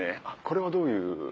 あっこれはどういう？